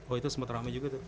oh itu semua teramai juga tuh